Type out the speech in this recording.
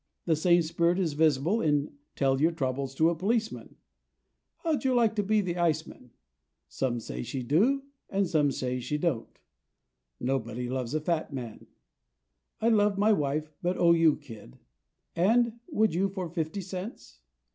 The same spirit is visible in "Tell your troubles to a policeman," "How'd you like to be the ice man?" "Some say she do and some say she don't," "Nobody loves a fat man," "I love my wife, but O you kid," and "Would you for fifty cents?"